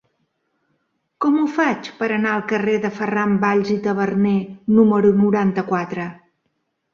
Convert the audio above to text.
Com ho faig per anar al carrer de Ferran Valls i Taberner número noranta-quatre?